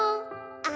「あ！」